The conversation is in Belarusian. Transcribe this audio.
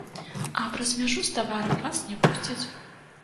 А праз мяжу з таварам вас не пусцяць.